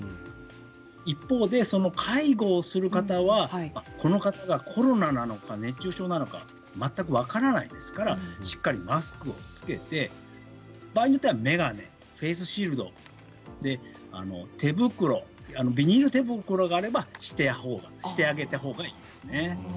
一方で介護をする方はこの方がコロナなのか熱中症なのか全く分からないですからしっかりマスクを着けて場合によっては眼鏡、フェースシールド手袋、ビニール手袋があればしてあげたほうがいいですね。